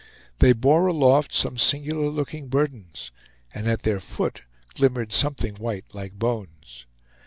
They bore aloft some singular looking burdens; and at their foot glimmered something white like bones.